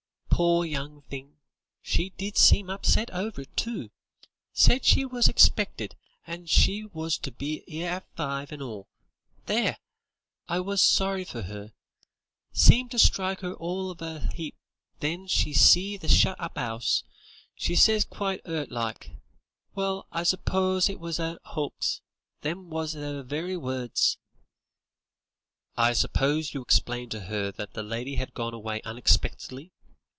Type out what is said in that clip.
"Pore young thing, she did seem upset over it, too. Said she was expected, and she was to be 'ere at five, and all. There! I was sorry for 'er. Seemed to strike 'er all of an 'eap when she see the shut up 'ouse. She says quite 'urt like: 'Well, I s'pose it was an 'oax.' Them was 'er very words." "I suppose you explained to her that the lady had gone away unexpectedly?"